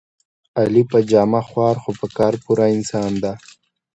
علي په جامه خوار خو په کار پوره انسان دی.